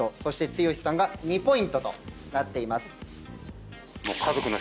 剛さんが２ポイントとなっています。